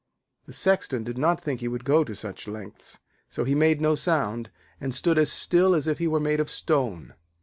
The Sexton did not think he would go to such lengths, so he made no sound, and stood as still as if he were made of stone.